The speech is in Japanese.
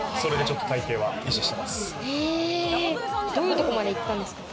というところまで行ったんですか？